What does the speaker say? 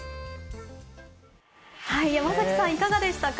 山崎さん、いかがでしたか？